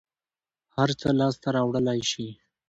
هر څه لاس ته راوړلى شې.